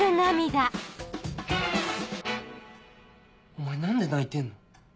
お前何で泣いてんの？